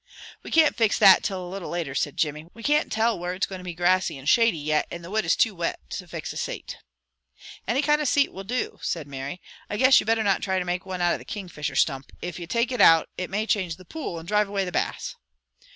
"We can't fix that till a little later," said Jimmy. "We can't tell where it's going to be grassy and shady yet, and the wood is too wet to fix a sate." "Any kind of a sate will do," said Mary. "I guess you better not try to make one out of the Kingfisher stump. If you take it out it may change the pool and drive away the Bass."